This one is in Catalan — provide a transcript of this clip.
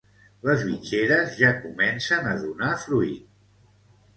Les bitxeres ja comencen a donar fruit!